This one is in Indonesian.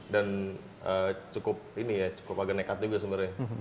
dan cukup ini ya cukup agak nekat juga sebenarnya